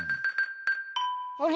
あれ？